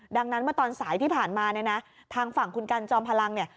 ดังนั้นตอนสายที่ผ่านมานะทางฝั่งคุณกันจอมพลังเนี่ย